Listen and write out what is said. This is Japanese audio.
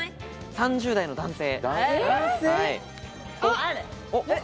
３０代の男性。